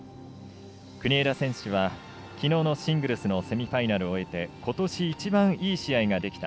国枝選手はきのうのシングルスのセミファイナルを終えてことし一番、いい試合ができた。